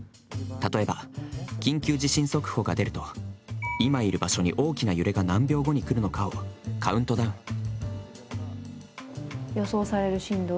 例えば緊急地震速報が出ると、今いる場所に大きな揺れが何秒後に来るのかを、カウントダウン。